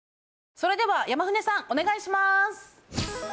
それでは山舩さんお願いします。